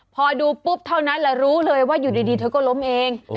พอดูปุ๊บเท่านั้นแหละรู้เลยว่าอยู่ดีเธอก็ล้มเอง